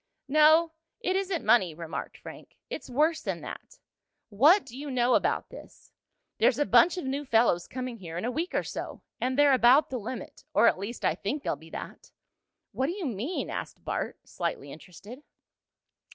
"No, it isn't money," remarked Frank. "It's worse than that. What do you know about this. There's a bunch of new fellows coming here in a week or so, and they're about the limit or at least I think they'll be that." "What do you mean?" asked Bart, slightly interested.